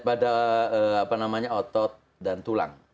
pada apa namanya otot dan tulang